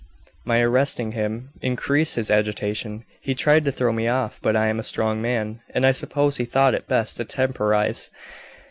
My arresting him increased his agitation; he tried to throw me off, but I am a strong man, and I suppose he thought it best to temporize.